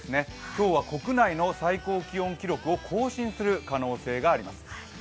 今日は、国内の最高気温記録を更新する可能性があります。